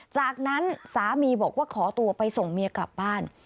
จากนั้นสามีบอกว่าขอตัวไปส่งเมียกลับบ้าน